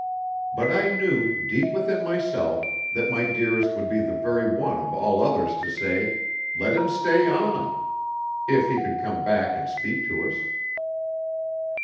But I knew, deep within myself, that my Dearest would be the very one of all others to say, 'Let him stay on,' if he could come back and speak to us.